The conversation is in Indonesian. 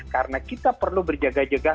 karena kita perlu berjaga jaga